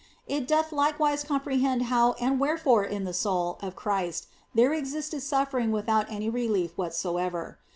It doth likewise comprehend how and wherefore in the soul of Christ there existed suffering without any relief whatsoever.